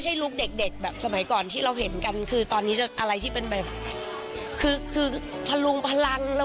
ใช่แล้วก็แบบต้องเอาหน้ามาขึ้นซึ่งหนูไม่ชินกับหน้ามา